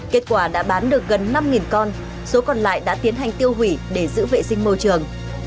kết quả đã bán được gần năm con số còn lại đã tiến hành tiêu hủy để giữ vệ sinh môi trường